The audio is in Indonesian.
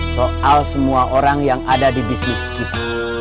soal semua orang yang ada di bisnis kita